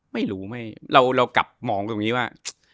ไม่รู้เรากลับมองตรงนี้ว่า